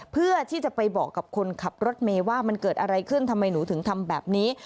เพื่อที่จะไปบอกกับคนขับรถเมย์ว่ามันเกิดอะไรขึ้นทำไมหนูถึงทำแบบนี้